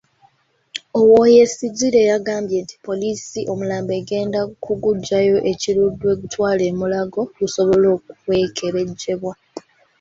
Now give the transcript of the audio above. Owoyesigire yagambye nti poliisi omulambo egenda kuguggyayo e Kiruddu egutwale e Mulago gusobola okwekebejjebwa.